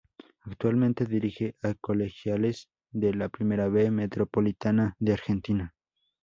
Actualmente dirige a Colegiales de la Primera B Metropolitana de Argentina.